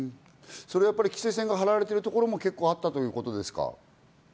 それは規制線が張られている所も結構あったということですか？